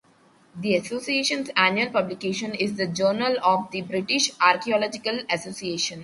The association's annual publication is The Journal of the British Archaeological Association.